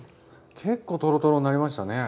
結構トロトロになりましたね。